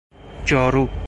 جارو